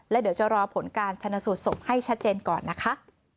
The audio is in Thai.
และเดี๋ยวจะรอผลการชนสูตรศพให้ชัดเจนก่อนนะคะ